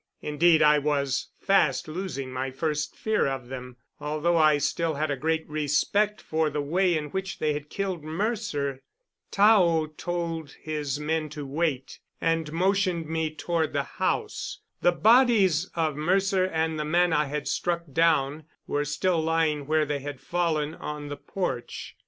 Indeed, I was fast losing my first fear of them, although I still had a great respect for the way in which they had killed Mercer. Tao told his men to wait, and motioned me toward the house. The bodies of Mercer and the man I had struck down were still lying where they had fallen on the porch.